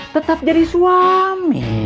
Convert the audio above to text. tetap jadi suami